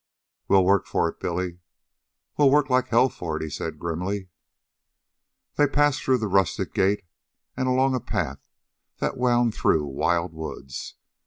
"We'll work for it, Billy." "We'll work like hell for it," he said grimly. They passed through the rustic gate and along a path that wound through wild woods.